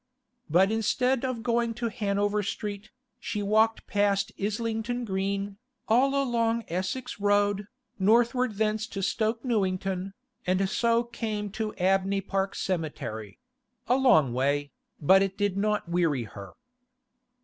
But instead of going to Hanover Street, she walked past Islington Green, all along Essex Road, northward thence to Stoke Newington, and so came to Abney Park Cemetery; a long way, but it did not weary her.